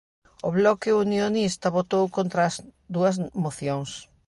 O bloque unionista votou contra as dúas mocións.